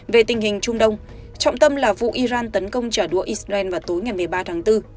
về tình hình trung đông trọng tâm là vụ iran tấn công trả đũa israel vào tối ngày một mươi ba tháng bốn